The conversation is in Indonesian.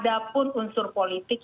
ada pun unsur politik